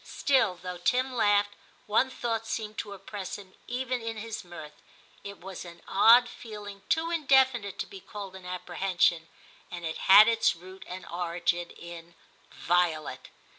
Still, though Tim laughed, one thought seemed to oppress him even in his mirth ; it was an odd feeling too indefinite to be called an apprehension, and it had its root and origin in Violet.